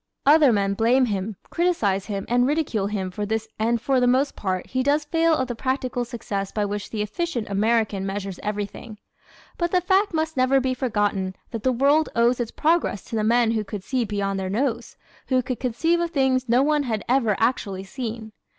Other men blame him, criticise him and ridicule him for this and for the most part he does fail of the practical success by which the efficient American measures everything. But the fact must never be forgotten that the world owes its progress to the men who could see beyond their nose, who could conceive of things no one had ever actually seen.